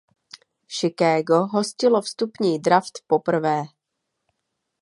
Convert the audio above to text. Chicago hostilo vstupní draft poprvé.